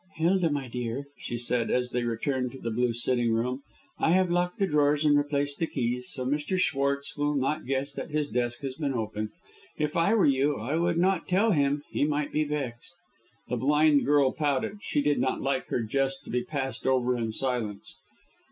"Hilda, my dear," she said, as they returned to the blue sitting room, "I have locked the drawers and replaced the keys, so Mr. Schwartz will not guess that his desk has been open. If I were you I would not tell him; he might be vexed." The blind girl pouted. She did not like her jest to be passed over in silence.